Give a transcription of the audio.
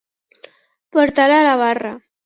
Portar a la barra.